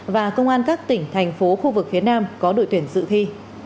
và công an các tỉnh thành phố khu vực phía nam có đội tuyển dự thi